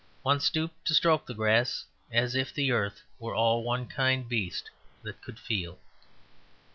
One stooped to stroke the grass, as if the earth were all one kind beast that could feel.